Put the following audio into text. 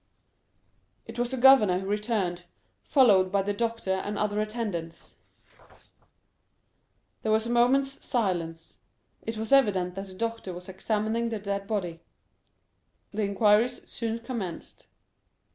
It was the governor who returned, followed by the doctor and other attendants. There was a moment's silence,—it was evident that the doctor was examining the dead body. The inquiries soon commenced.